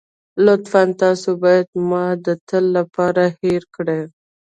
لطفاً تاسو بايد ما د تل لپاره هېره کړئ.